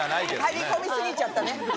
入り込み過ぎちゃったね。